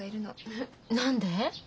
えっ何で？